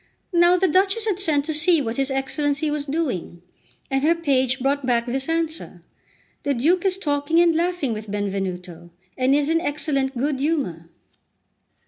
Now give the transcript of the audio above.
Now the Duchess had sent to see what his Excellency was doing, and her page brought back this answer: "The Duke is talking and laughing with Benvenuto, and is in excellent good humour."